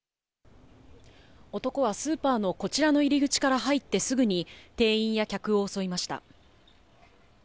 男はスーパーのこちらの入り口から入ってすぐに、店員や客を襲いました。